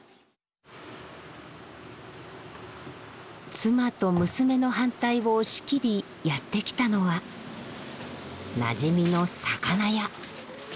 妻と娘の反対を押し切りやってきたのはなじみの魚屋。